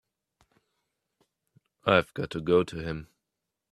I've got to go to him.